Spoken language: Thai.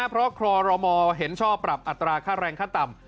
เพราะคอรมอเห็นชอบปรับอัตราค่าแรงขั้นต่ำ